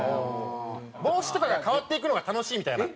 帽子とかが変わっていくのが楽しいみたいな。